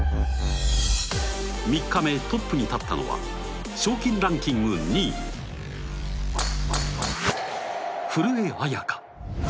３日目、トップに立ったのは、賞金ランキング２位古江彩佳。